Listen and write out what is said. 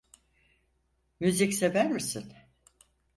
Müzik sever misin?